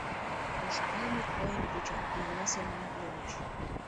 Ош армий койын пуча, ӱвыра семынак йомеш.